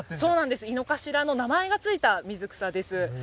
「イノカシラ」の名前が付いた水草です。